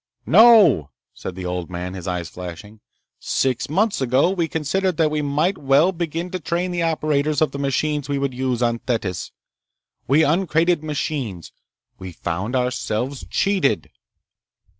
"No," said the old man, his eyes flashing. "Six months ago we considered that we might well begin to train the operators of the machines we would use on Thetis. We uncrated machines. We found ourselves cheated!"